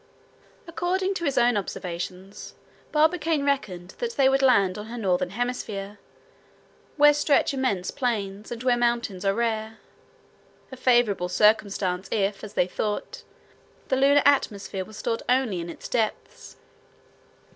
According to his own observations, Barbicane reckoned that they would land on her northern hemisphere, where stretch immense plains, and where mountains are rare. A favorable circumstance if, as they thought, the lunar atmosphere was stored only in its depths.